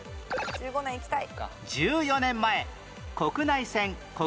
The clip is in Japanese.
１５年いきたい。